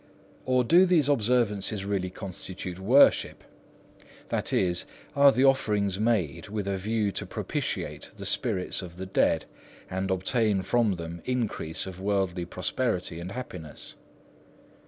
Or do these observances really constitute worship? i.e. are the offerings made with a view to propitiate the spirits of the dead, and obtain from them increase of worldly prosperity and happiness?